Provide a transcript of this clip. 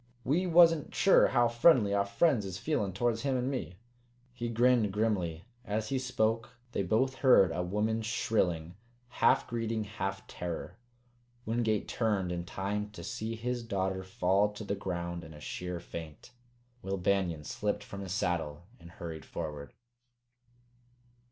We wasn't sure how friendly our friends is feelin' towards him an' me." He grinned grimly. As he spoke they both heard a woman's shrilling, half greeting, half terror. Wingate turned in time to see his daughter fall to the ground in a sheer faint. Will Banion slipped from his saddle and hurried forward.